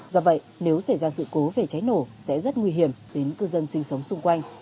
do vậy nếu xảy ra sự cố về cháy nổ sẽ rất nguy hiểm đến cư dân sinh sống xung quanh